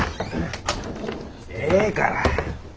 ええから。